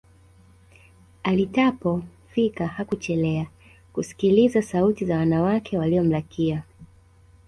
alitapo fika Hakuchelea kusikiliza sauti za wanawake waliomlalamikia